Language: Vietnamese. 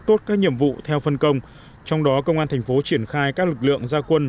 tốt các nhiệm vụ theo phân công trong đó công an thành phố triển khai các lực lượng gia quân